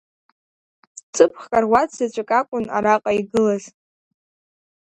Ҵыԥх каруаҭ заҵәык акәын араҟа игылаз.